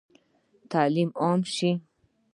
تعلیم به عام شي؟